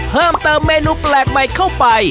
เพิ่มเติมเมนูแปลกใหม่เข้าไป